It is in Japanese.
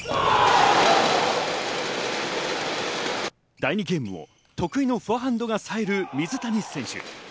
第２ゲームも得意のフォアハンドが冴える水谷選手。